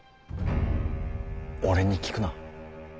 俺に聞くな。